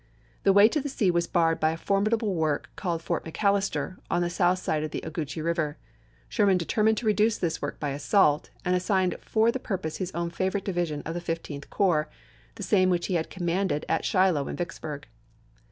The way to the sea was barred by a formidable work called Fort McAllister, on the south side of the Ogeechee Eiver. Sherman de termined to reduce this work by assault, and assigned for the purpose his own favorite division of the Fifteenth Corps, the same which he had commanded at Shiloh and Vicksburg.